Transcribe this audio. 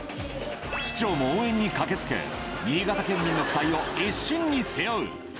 市長も応援に駆けつけ、新潟県民の期待を一身に背負う。